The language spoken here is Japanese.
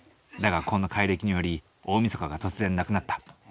だがこの改暦により大みそかが突然なくなった。